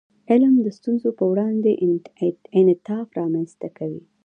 علم د ستونزو په وړاندې انعطاف رامنځته کوي.